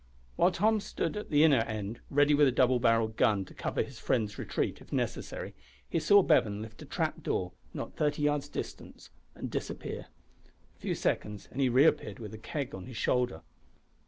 While Tom stood at the inner end, ready with a double barrelled gun to cover his friend's retreat if necessary, he saw Bevan lift a trap door not thirty yards distant and disappear. A few seconds, and he re appeared with a keg on his shoulder.